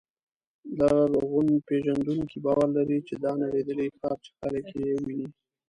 لرغونپېژندونکي باور لري چې دا نړېدلی ښار چې خلک یې ویني.